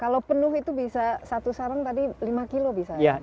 kalau penuh itu bisa satu sarang tadi lima kilo bisa